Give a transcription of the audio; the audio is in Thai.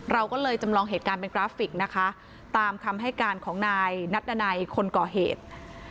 เราก็เลยจำลองเหตุการณ์เป็นกราฟิกนะคะตามคำให้การของนายนัดดันัยคนก่อเหตุ